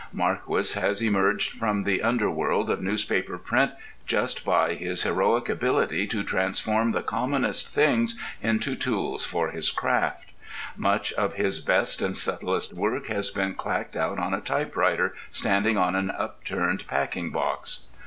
Marquis has emerged from the underworld of newspaper print just by his heroic ability to transform the commonest things into tools for his craft. Much of his best and subtlest work has been clacked out on a typewriter standing on an upturned packing box.